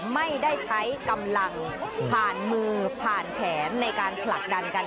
ไม่ได้ใช้กำลังผ่านมือผ่านแขนในการผลักดันกัน